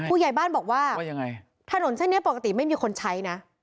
ผู้ใหญ่บ้านบอกว่าถนนแบบนี้ปกติไม่มีคนใช้นะ